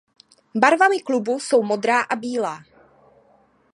Barvami klubu jsou modrá a bílá.